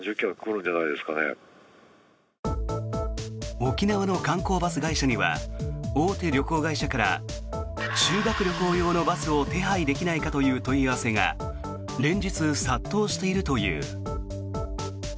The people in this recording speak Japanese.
沖縄の観光バス会社には大手旅行会社から修学旅行用のバスを手配できないかという問い合わせが連日、殺到しているという。